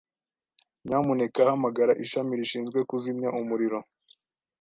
Nyamuneka hamagara ishami rishinzwe kuzimya umuriro.